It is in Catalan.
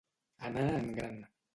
Anar en gran.